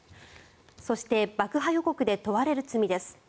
そして爆破予告で問われる罪です。